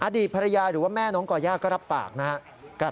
อดีตภรรยาหรือว่าแม่น้องก่อย่าก็รับปากนะครับ